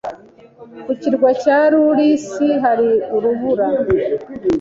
Ku kirwa cya Lulus hari urubura